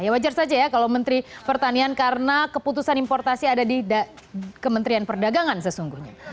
ya wajar saja ya kalau menteri pertanian karena keputusan importasi ada di kementerian perdagangan sesungguhnya